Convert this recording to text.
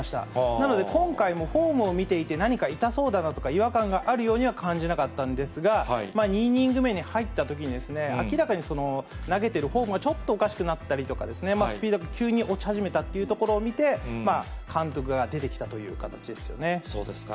なので、今回もフォームを見ていて、何か痛そうだなとか、違和感があるようには感じなかったんですが、２イニング目に入ったとき、明らかに投げてるフォームがちょっとおかしくなったりですとか、スピードが急に落ち始めたっていうところを見て、まあ、そうですか。